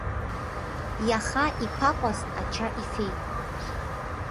Иаха иԥакәаз ача ифеит.